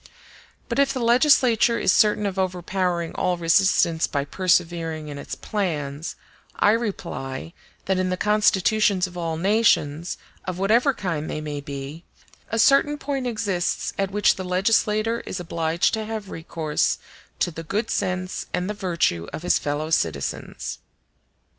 But if the legislature is certain of overpowering all resistance by persevering in its plans, I reply, that in the constitutions of all nations, of whatever kind they may be, a certain point exists at which the legislator is obliged to have recourse to the good sense and the virtue of his fellow citizens.